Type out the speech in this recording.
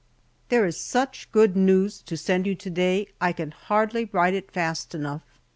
THERE is such good news to send you to day I can hardly write it fast enough.